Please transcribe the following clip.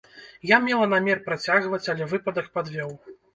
Я мела намер працягваць, але выпадак падвёў.